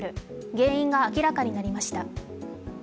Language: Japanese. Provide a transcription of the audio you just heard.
原因が明らかになりました。